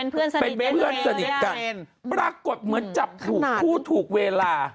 เป็นเพื่อนสนิทกันปรากฏเหมือนจับถูกผู้ถูกเวลา